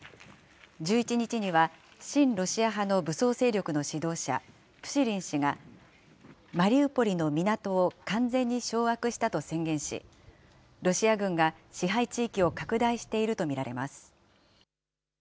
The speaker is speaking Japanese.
１１日には親ロシア派の武装勢力の指導者、プシリン氏が、マリウポリの港を完全に掌握したと宣言し、ロシア軍が支配地域を拡大していると見られます。